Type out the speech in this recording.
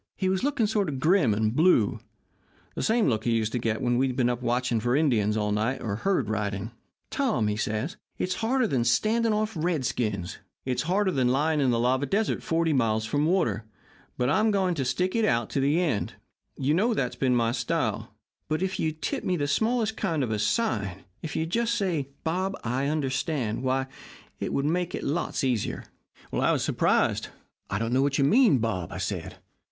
He was looking sort of grim and blue the same look he used to get when he'd been up watching for Indians all night or herd riding. "'Tom,' says he, 'it's harder than standing off redskins; it's harder than lying in the lava desert forty miles from water; but I'm going to stick it out to the end. You know that's been my style. But if you'd tip me the smallest kind of a sign if you'd just say, "Bob I understand," why, it would make it lots easier.' "I was surprised. 'I don't know what you mean, Bob,' I said.